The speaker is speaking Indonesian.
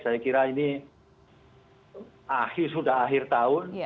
saya kira ini sudah akhir tahun